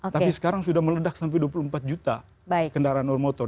tapi sekarang sudah meledak sampai dua puluh empat juta kendaraan bermotor